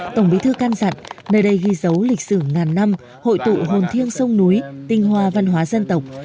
tổng bí thư can dặn nơi đây ghi dấu lịch sử ngàn năm hội tụ hồn thiêng sông núi tinh hoa văn hóa dân tộc